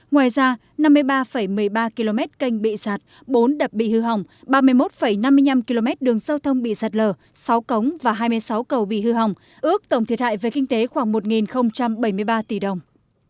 ngoài ra năm mươi ba một mươi ba km canh bị sạt bốn đập bị hư hỏng ba mươi một năm mươi năm km đường giao thông bị sạt lở sáu cống và hai mươi sáu cầu bị hư hỏng ước tổng thiệt hại về kinh tế khoảng một bảy mươi ba tỷ đồng